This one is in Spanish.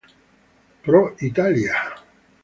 Pro Italia".